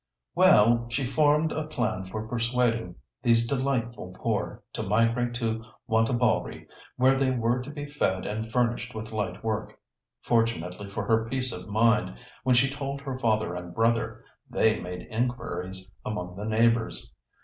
"Well, she formed a plan for persuading these delightful poor to migrate to Wantabalree, where they were to be fed and furnished with light work. Fortunately for her peace of mind, when she told her father and brother, they made inquiries among the neighbours.